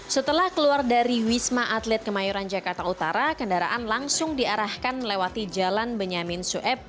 setelah keluar dari wisma atlet kemayoran jakarta utara kendaraan langsung diarahkan melewati jalan benyamin sueb